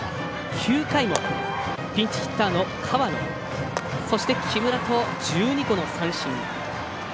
９回もピンチヒッターの河野そして、木村と１２個の三振。